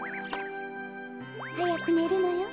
はやくねるのよ。